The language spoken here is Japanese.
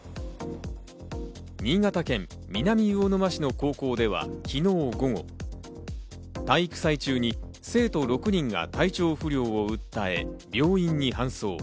新潟県南魚沼市の高校では昨日午後、体育祭中に生徒６人が体調不良を訴え病院に搬送。